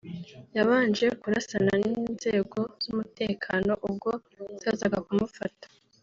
yabanje kurasana n’inzego z’umutekano ubwo zazaga kumufata